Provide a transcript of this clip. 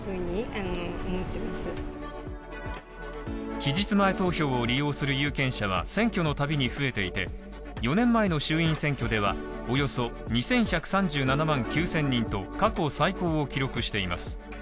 期日前投票を利用する有権者は選挙のたびに増えていて、４年前の衆院選挙ではおよそ２１３７万９０００人と過去最高を記録しています。